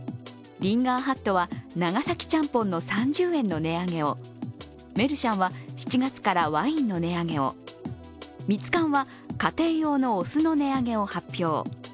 リンガーハットは、長崎ちゃんぽんの３０円の値上げをメルシャンは７月からワインの値上げを、ミツカンは家庭用のお酢の値上げを発表。